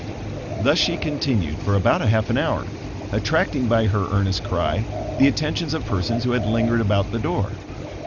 Thus she continued for about half an hour, attracting by her earnest cry the attentions of persons who had lingered about the door.